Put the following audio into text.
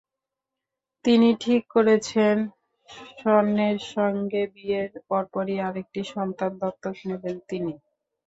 তিনি ঠিক করেছেন, শ্যনের সঙ্গে বিয়ের পরপরই আরেকটি সন্তান দত্তক নেবেন তিনি।